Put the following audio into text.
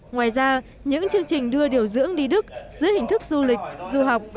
ngoài ra những chương trình đưa điều dưỡng đi đức dưới hình thức du lịch du học